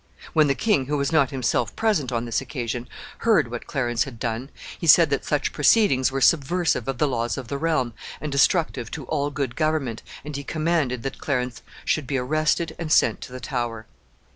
When the king, who was not himself present on this occasion, heard what Clarence had done, he said that such proceedings were subversive of the laws of the realm, and destructive to all good government, and he commanded that Clarence should be arrested and sent to the Tower.